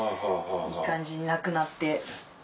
いい感じになくなって。